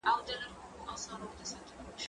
ته ولي انځورونه رسم کوې